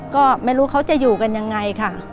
ก็ไม่รู้เขาจะอยู่กันยังไงค่ะ